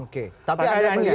oke tapi ada penjelasan